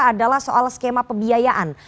adalah soal skema pembiayaan